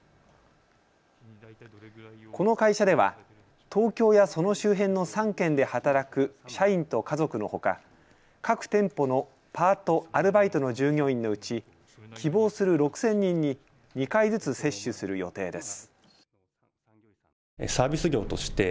この会社では東京やその周辺の３県で働く社員と家族のほか、各店舗のパート、アルバイトの従業員のうち希望する６０００人に２回ずつ接種する予定です。